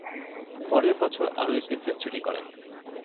পরের বছর আরও একটি সেঞ্চুরি করেন।